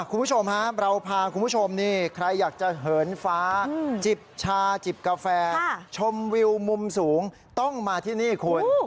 คุณผู้ชมฮะเราพาคุณผู้ชมนี่ใครอยากจะเหินฟ้าจิบชาจิบกาแฟชมวิวมุมสูงต้องมาที่นี่คุณ